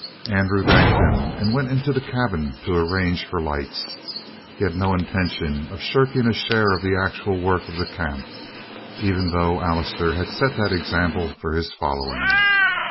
Andrew thanked him and went into the cabin to arrange for lights. He had no intention of shirking a share in the actual work of the camp; even though Allister had set that example for his following.